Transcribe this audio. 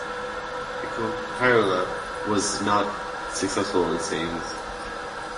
The Comhairle was not successful in its aims.